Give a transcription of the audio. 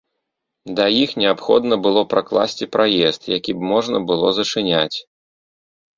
Да іх неабходна было пракласці праезд, які б можна было зачыняць.